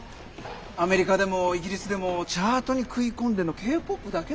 アメリカでもイギリスでもチャートに食い込んでんのＫ−ＰＯＰだけだもんなぁ。